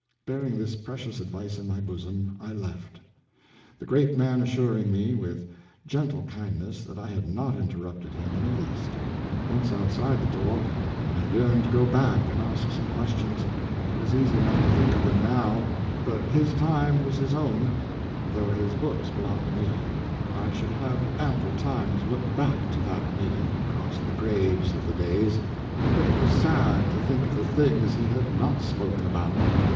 Bearing this precious advice in my bosom, I left; the great man assuring me with gentle kindness that I had not interrupted him in the least. Once outside the door, I yearned to go back and ask some questions—it was easy enough to think of them now—but his time was his own, though his books belonged to me.[Pg 181] I should have ample time to look back to that meeting across the graves of the days. But it was sad to think of the things he had not spoken about.